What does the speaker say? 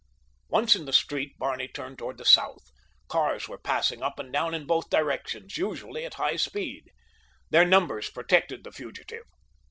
Once in the street Barney turned toward the south. Cars were passing up and down in both directions, usually at high speed. Their numbers protected the fugitive.